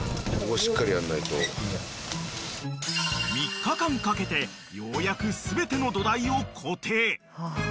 ［３日間かけてようやく全ての土台を固定］